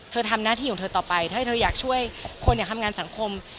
ทำหน้าที่ของเธอต่อไปถ้าให้เธออยากช่วยคนอยากทำงานสังคม